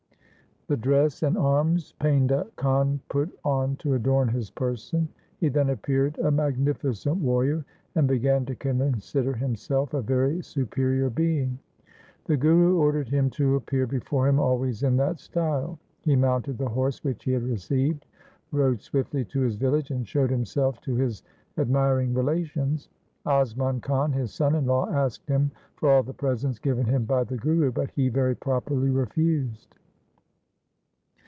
The dress and arms Painda Khan put on to adorn his person. He then appeared a magni ficent warrior, and began to consider himself a very superior being. The Guru ordered him to appear before him always in that style. He mounted the horse which he had received, rode swiftly to his village, and showed himself to his admiring relations. Asman Khan, his son in law,, asked him for all the presents given him by the Guru, but he very properly refused.